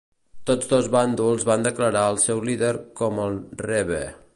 Tots dos bàndols van declarar el seu líder com el Rebbe.